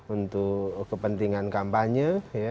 untuk kepentingan kampanye